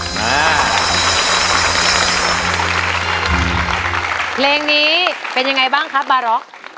เพลงนี้เป็นยังไงบ้างครับบาร็อก